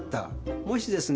もしですね